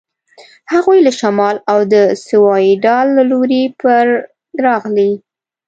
هغوی له شمال او د سیوایډل له لوري پر راغلي.